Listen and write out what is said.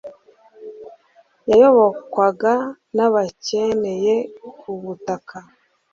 yayobokwaga n'abekeneye ubutaka